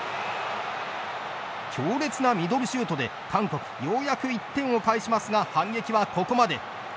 強烈なミドルシュートで韓国ようやく１点を返しますが反撃は、ここまで。